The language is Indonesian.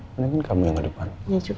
mana ini kamu yang ke depan